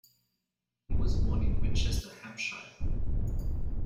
He was born in Winchester, Hampshire.